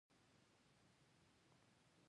ژوندي له عقل نه کار اخلي